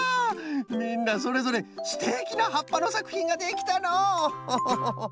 みんなそれぞれすてきなはっぱのさくひんができたのうホホホ。